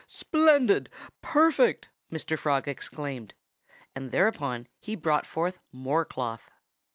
"Splendid! Perfect!" Mr. Frog exclaimed. And thereupon he brought forth more cloth.